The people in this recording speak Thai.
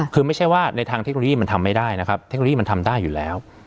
คือไม่ใช่ว่าในทางเทคโนโลยีมันทำไม่ได้นะครับเทคโนโลยีมันทำได้อยู่แล้ว